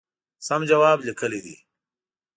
سم جواب لیکلی دی.